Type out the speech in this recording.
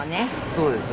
そうですね。